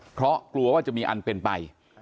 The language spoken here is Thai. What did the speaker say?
เพราะกลัวว่าจะมีอันเป็นไป